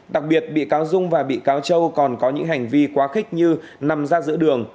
đặc biệt bị cáo dung và bị cáo châu còn có những hành vi quá khích như nằm ra giữa đường